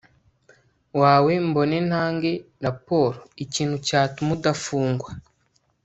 wawe mbone ntange raport ikintu cyatuma udafungwa